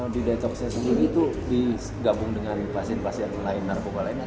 di detoksnya sendiri itu digabung dengan pasien pasien lain narkokol lain atau gimana